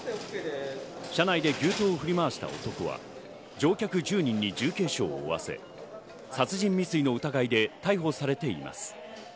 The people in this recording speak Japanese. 車内で牛刀を振り回した男は乗客１０人に重軽傷を負わせ、殺人未遂の疑いで逮捕されています。